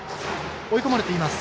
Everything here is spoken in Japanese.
追い込まれています。